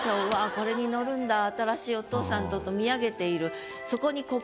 これに乗るんだ新しいお父さんとと見上げている。